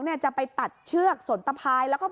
พอหลังจากเกิดเหตุแล้วเจ้าหน้าที่ต้องไปพยายามเกลี้ยกล่อม